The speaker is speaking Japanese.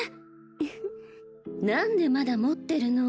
なんでまだ持ってるの？